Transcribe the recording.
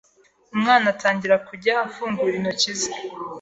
Umwana atangira kujya afungura intoki ze